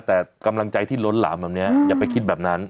แต่กำลังใจที่ล้นหลามแบบนี้อย่าไปคิดแบบนั้น